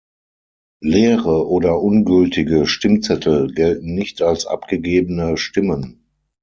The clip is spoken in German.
Leere oder ungültige Stimmzettel gelten nicht als abgegebene Stimmen.